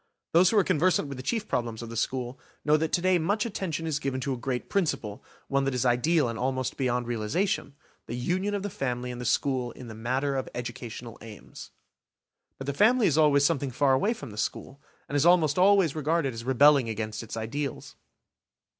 Those who are conversant with the chief problems of the school know that to day much attention is given to a great principle, one that is ideal and almost beyond realisation,–the union of the family and the school in the matter of educational aims. But the family is always something far away from the school, and is almost always regarded as rebelling against its ideals.